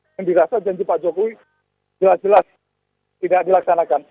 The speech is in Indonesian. yang dirasa janji pak jokowi jelas jelas tidak dilaksanakan